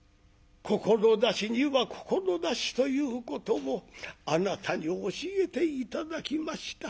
志には志ということもあなたに教えて頂きました。